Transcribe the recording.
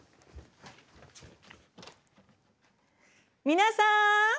皆さん！